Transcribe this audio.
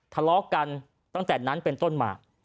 ทะเลาะกันตั้งแต่นั้นเป็นต้นมา